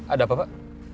ada apa pak